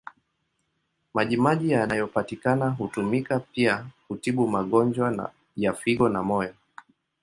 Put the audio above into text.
Maji maji yanayopatikana hutumika pia kutibu magonjwa ya figo na moyo.